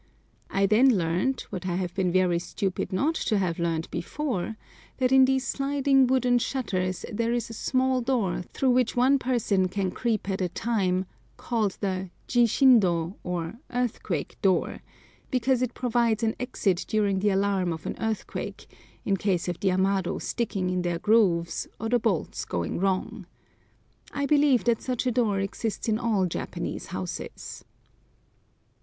I then learned what I have been very stupid not to have learned before, that in these sliding wooden shutters there is a small door through which one person can creep at a time called the jishindo, or "earthquake door," because it provides an exit during the alarm of an earthquake, in case of the amado sticking in their grooves, or their bolts going wrong. I believe that such a door exists in all Japanese houses.